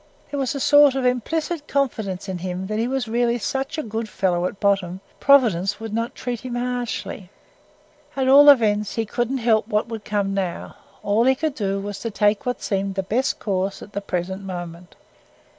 There was a sort of implicit confidence in him that he was really such a good fellow at bottom, Providence would not treat him harshly. At all events, he couldn't help what would come now: all he could do was to take what seemed the best course at the present moment.